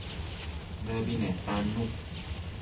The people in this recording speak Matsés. Nëbi netannu